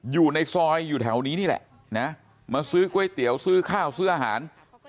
อยู่ในซอยอยู่แถวนี้นี่แหละนะมาซื้อก๋วยเตี๋ยวซื้อข้าวซื้ออาหาร